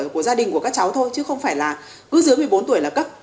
của gia đình của các cháu thôi chứ không phải là cứ dưới một mươi bốn tuổi là cấp